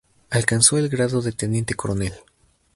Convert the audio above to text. Alcanzó el grado de Teniente Coronel.